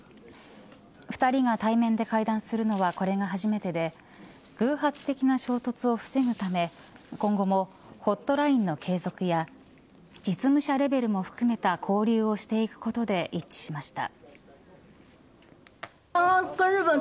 ２人が対面で会談するのはこれが初めてで偶発的な衝突を防ぐため今後もホットラインの継続や実務者レベルも含めた交流をしていくことで一致しました。